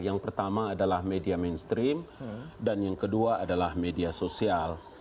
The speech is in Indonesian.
yang pertama adalah media mainstream dan yang kedua adalah media sosial